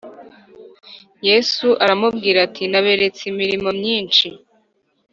Yesu arababwira ati naberetse imirimo myinshi